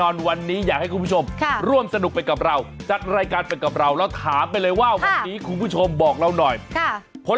โอ้วแล้วมีบักอะไรอีกครับ